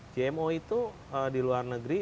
gmo itu di luar negeri